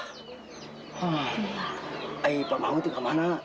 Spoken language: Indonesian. hmm pak mangun tuh kemana